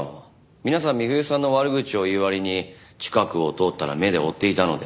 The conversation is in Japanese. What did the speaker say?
皆さん美冬さんの悪口を言う割に近くを通ったら目で追っていたので。